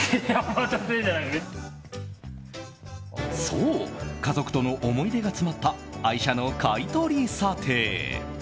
そう家族との思い出が詰まった愛車の買い取り査定。